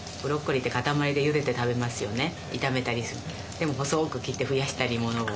でも細く切って増やしたりものを。